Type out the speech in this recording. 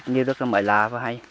nhiều rất là mời lạ và hay